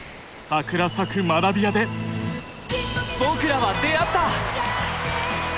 桜咲く学びやで僕らは出会った！